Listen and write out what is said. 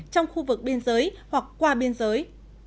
trong khu vực biên giới hoặc qua biên giới